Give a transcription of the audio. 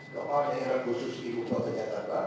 kepala daerah khusus di bupati jakarta